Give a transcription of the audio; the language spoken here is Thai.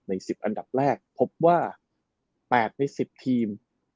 ๑๐อันดับแรกพบว่า๘ใน๑๐ทีม